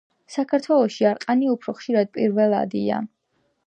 საქართველოში არყნარი უფრო ხშირად პირველადია.